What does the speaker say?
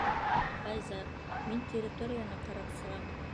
Файза, мин территорияны ҡарап сығам.